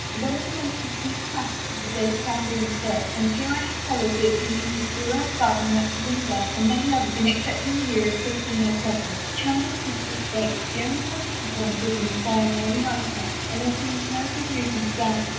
One of the most disputed matters is the date of Anne Boleyn's birth, and here I have followed the opinion of Brewer, Gairdiner, Lingard, and many others in accept ing the year 1507. Camden gives this date, the only positive one given by an early writer, and there seems no good reason to doubt it.